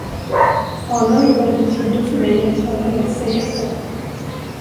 Anar ni vad det betyder för mig att höra er säga så?